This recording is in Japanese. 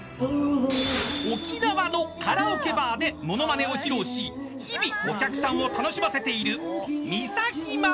［沖縄のカラオケバーでモノマネを披露し日々お客さんを楽しませている］